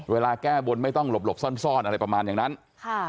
แก้บนไม่ต้องหลบหลบซ่อนซ่อนอะไรประมาณอย่างนั้นค่ะ